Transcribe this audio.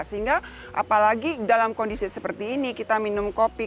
sehingga apalagi dalam kondisi seperti ini kita minum kopi